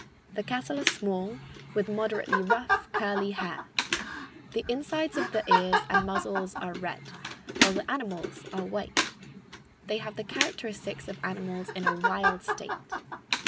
The cattle are small, with moderately rough, curly hair. The insides of the ears and muzzles are red, while the animals are white. They have the characteristics of animals in a wild state.